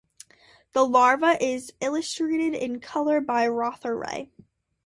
The larva is illustrated in colour by Rotheray.